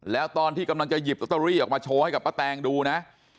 แล้วตอนที่กำลังจะหยิบลอตเตอรี่ออกมาโชว์ให้กับป้าแตงดูนะ